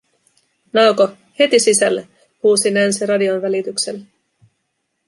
"Naoko, heti sisälle", huusi Nancy radion välityksellä.